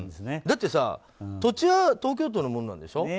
だってさ土地は東京都のものなんでしょ。